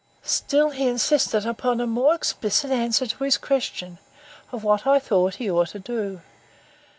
Still he insisted upon a more explicit answer to his question, of what I thought he ought to do.